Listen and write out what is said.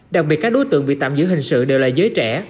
đặc biệt các đối tượng bị tạm giữ hình sự đều là giới trẻ